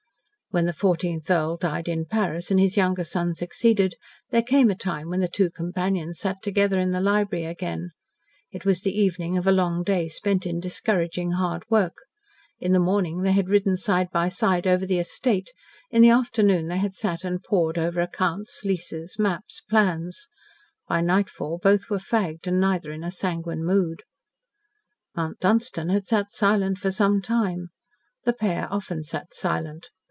When the fourteenth Earl died in Paris, and his younger son succeeded, there came a time when the two companions sat together in the library again. It was the evening of a long day spent in discouraging hard work. In the morning they had ridden side by side over the estate, in the afternoon they had sat and pored over accounts, leases, maps, plans. By nightfall both were fagged and neither in sanguine mood. Mount Dunstan had sat silent for some time. The pair often sat silent.